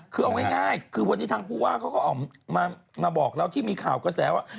คือเอาง่ายคือวันนี้ทางผู้ว่าเขาก็ออกมาบอกแล้วที่มีข่าวกระแสว่า